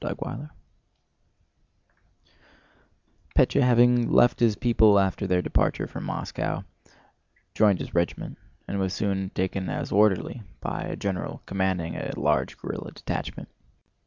CHAPTER VII Pétya, having left his people after their departure from Moscow, joined his regiment and was soon taken as orderly by a general commanding a large guerrilla detachment.